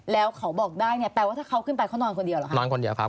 แล้วเขาบอกได้เนี่ยแปลว่าถ้าเขาขึ้นไปเขานอนคนเดียวเหรอคะนอนคนเดียวครับ